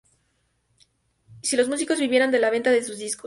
si los músicos vivieran de la venta de sus discos